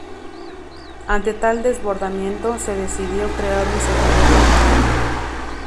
Ante tal desbordamiento, se decidió crear un segundo campamento.